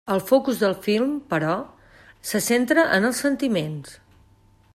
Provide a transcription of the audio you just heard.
El focus del film, però, se centra en els sentiments.